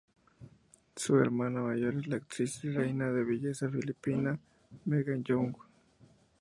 Su hermana mayor es la actriz y reina de belleza filipina Megan Young.